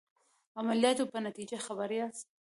عملیاتو په نتیجه خبر یاست.